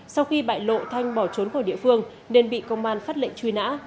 sau khi bại lộ thanh bỏ trốn khỏi địa phương nên bị công an phát lệnh truy nã